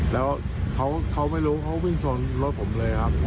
แล้วเขาไม่รู้เขาวิ่งชนรถผมเลยครับ